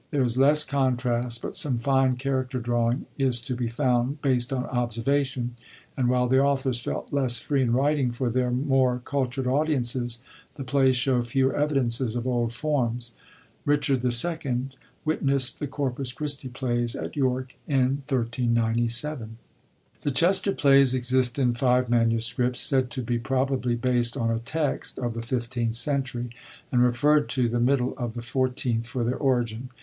There is less contrast, but some fine chaiucter drawing is to be found, based on observation ; and while the authors felt less free in writing for their more cultured audiences, the plays show fewer evidences of old forms. Richard II. witnest the Corpus Ohristi plays at York in 1307.> The Chester Plays > exist in five MSS., said to be probably based on a text of the 15th century, and referd to the middle of the 14th for their origin.'